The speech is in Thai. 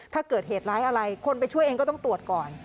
ถ้าเกิดเหตุร้ายอะไรคนไปช่วยเองก็ต้องตรวจก่อน